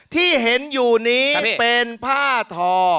ที่เห็นอยู่นี้เป็นผ้าทอ